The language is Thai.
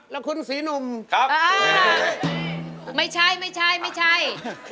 แล้วคุณศรีหนุ่มครับไม่ใช่ไม่ใช่